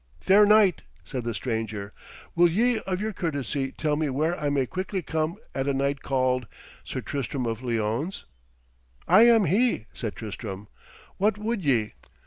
'Fair knight,' said the stranger, 'will ye of your courtesy tell me where I may quickly come at a knight called Sir Tristram of Lyones?' 'I am he,' said Tristram. 'What would ye?'